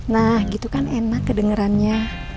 nah gitu kan enak kedengerannya